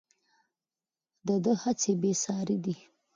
د ده هڅې بې ساري دي.